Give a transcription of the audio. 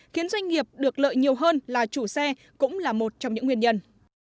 khiến doanh nghiệp được lợi nhiều hơn là chủ xe cũng là một trong những nguyên nhân